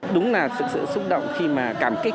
đúng là sự xúc động khi mà cảm kích